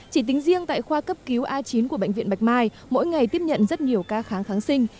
chỉ tính riêng tại khoa cấp cứu a chín của bệnh viện bạch mai mỗi ngày tiếp nhận rất nhiều ca kháng kháng sinh